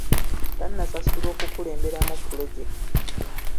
Tannasasulwa okukulemberamu pulojekiti .